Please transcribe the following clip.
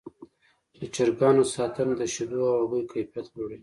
د چرګانو ساتنه د شیدو او هګیو کیفیت لوړوي.